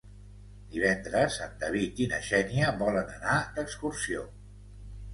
Divendres en David i na Xènia volen anar d'excursió.